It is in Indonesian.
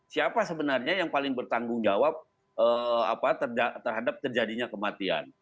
siapa sebenarnya yang paling bertanggung jawab terhadap terjadinya kematian